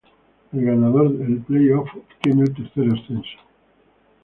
El ganador del play-off obtiene el tercer ascenso.